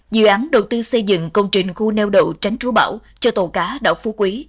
dự án đầu tư xây dựng công trình khu neo đậu tránh trú bão cho tàu cá đảo phú quý